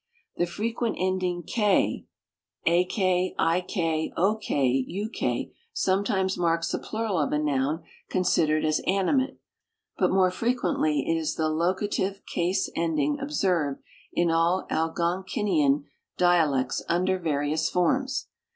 The frequent end ing k ( ak, ik, ok, uk) sometimes marks the i)lural of a noun considered as animate,, but more frequently it is the locative case ending observed in all Algonkinian dialects under various forms.